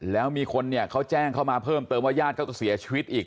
แล้วมีคนเนี่ยเขาแจ้งเข้ามาเพิ่มเติมว่าญาติเขาก็เสียชีวิตอีก